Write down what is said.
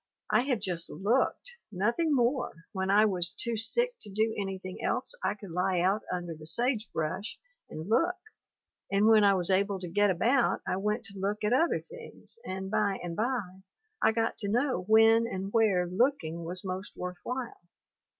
I have just looked, nothing more, when I was too sick to do any thing else I could lie out under the sage brush and look, and when I was able to get about I went to look at other things, and by and by I got to know when and where looking was most worth while.